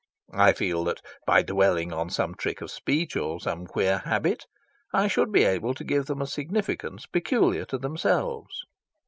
I feel that by dwelling on some trick of speech or some queer habit I should be able to give them a significance peculiar to themselves.